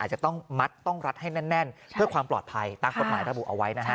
จะต้องมัดต้องรัดให้แน่นเพื่อความปลอดภัยตามกฎหมายระบุเอาไว้นะฮะ